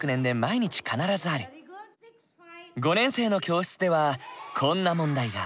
５年生の教室ではこんな問題が。